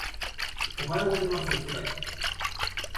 おはようございます世界